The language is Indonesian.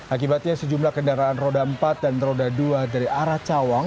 akibatnya sejumlah kendaraan roda empat dan roda dua dari arah cawang